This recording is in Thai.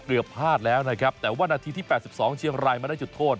พลาดแล้วนะครับแต่ว่านาทีที่๘๒เชียงรายไม่ได้จุดโทษ